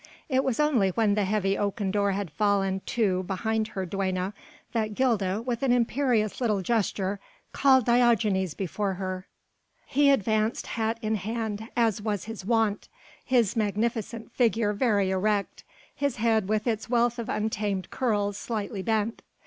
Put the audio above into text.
It was only when the heavy oaken door had fallen to behind her duenna that Gilda with an imperious little gesture called Diogenes before her. He advanced hat in hand as was his wont, his magnificent figure very erect, his head with its wealth of untamed curls slightly bent.